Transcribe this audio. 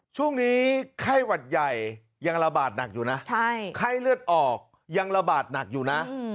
ช่วงนี้ไข้หวัดใหญ่ยังระบาดหนักอยู่นะไข้เลือดออกยังระบาดหนักอยู่นะ